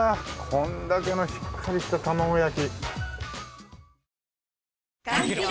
こんだけのしっかりした玉子焼。